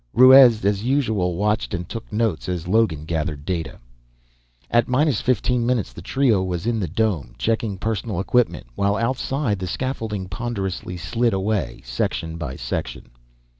Ruiz, as usual, watched and took notes as Logan gathered data. At minus fifteen minutes, the trio was in the dome, checking personal equipment, while outside, the scaffolding ponderously slid away, section by section.